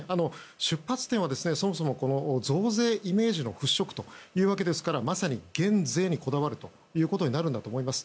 出発点はそもそも増税イメージの払拭というわけですからまさに減税にこだわるということになるんだと思います。